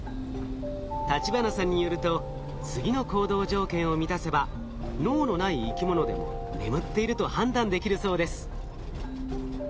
立花さんによると次の行動条件を満たせば脳のない生きものでも眠っていると判断できるそうです。